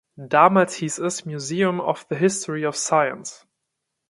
Damals hieß es "Museum of the History of Science".